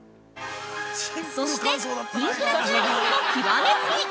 ◆そして、インフラツーリズムの極め付き！